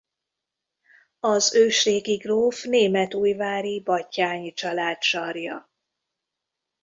Az ősrégi gróf németújvári Batthyány család sarja.